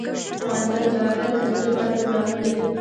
افغانستان د جواهرات د ترویج لپاره پروګرامونه لري.